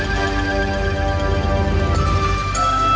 ตอนต่อไป